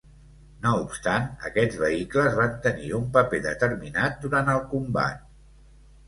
No obstant aquests vehicles van tenir un paper determinat durant el combat.